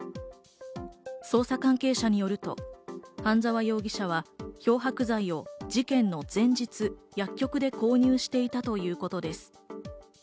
捜査関係者によると半沢容疑者は漂白剤を事件の前日、薬局で購入していたということです。